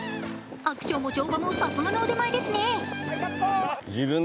アクションも乗馬もさすがの腕前ですね。